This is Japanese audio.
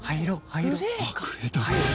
灰色？